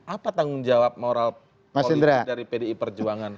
apa tanggung jawab moral politik dari pdi perjuangan